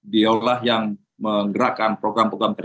diaulah yang menggerakkan program program tersebut